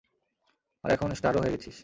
আর এখন স্টারও হয়ে গেছিস।